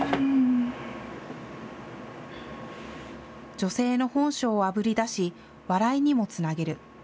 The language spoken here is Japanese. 女性の本性をあぶり出し、笑いにもつなげる。